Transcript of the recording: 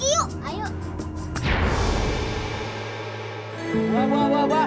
pilih aja dulu